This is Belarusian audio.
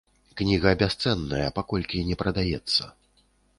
Кніга бясцэнная, паколькі не прадаецца.